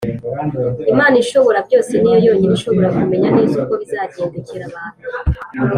Imana Ishoborabyose ni yo yonyine ishobora kumenya neza uko bizagendekera abantu